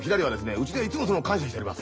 うちではいつも感謝しております。